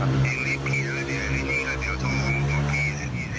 และอื่นหลัก